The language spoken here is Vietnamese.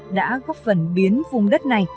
đã góp phần biến vùng đất này